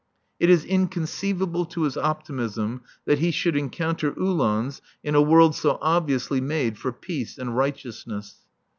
It is inconceivable to his optimism that he should encounter Uhlans in a world so obviously made for peace and righteousness.